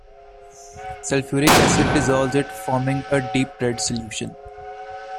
Sulfuric acid dissolves it, forming a deep-red solution.